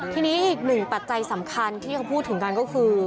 ทีนี้อีกหนึ่งปัจจัยสำคัญที่เขาพูดถึงกันก็คือ